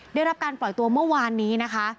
ได้รับการปล่อยตัวเมื่อวานนี้นะคะ